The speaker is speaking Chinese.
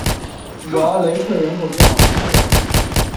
古阿雷克人口变化图示